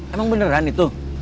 emang beneran itu